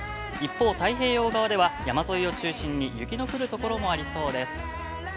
一方、太平洋側では山沿いを中心に雪の降るところもありそうです。